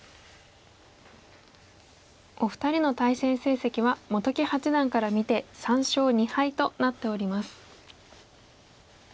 お二人の対戦成績は本木八段から見て３勝２敗となっております。